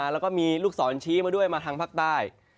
แล้วก็มีลูกศรชี้มาด้วยมาทางภาคใต้